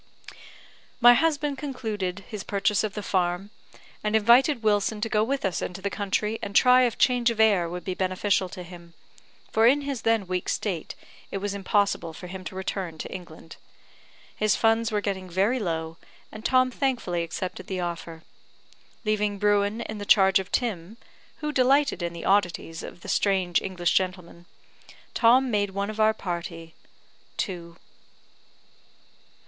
My husband concluded his purchase of the farm, and invited Wilson to go with us into the country and try if change of air would be beneficial to him; for in his then weak state it was impossible for him to return to England. His funds were getting very low, and Tom thankfully accepted the offer. Leaving Bruin in the charge of Tim (who delighted in the oddities of the strange English gentleman), Tom made one of our party to